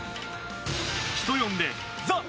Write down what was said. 人呼んでＴＨＥ